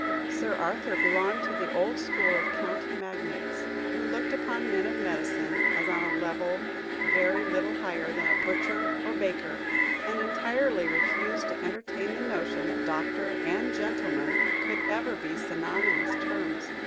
Sir Arthur belonged to the old school of county magnates, who looked upon men of medicine as on a level very little higher than a butcher or baker, and entirely refused to entertain the notion that doctor and gentleman could ever be synonymous terms.